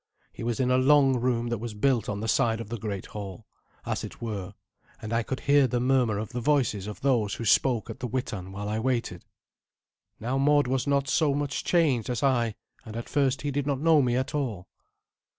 He was in a long room that was built on the side of the great hall, as it were, and I could hear the murmur of the voices of those who spoke at the Witan while I waited. Now Mord was not so much changed as I, and at first he did not know me at all.